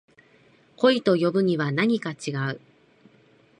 恋と呼ぶにはなにか違う